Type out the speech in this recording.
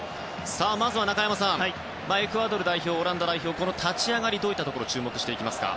まずは中山さんエクアドル代表、オランダ代表立ち上がり、どういったところ注目していきますか。